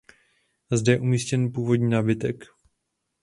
Zde je umístěn původní nábytek.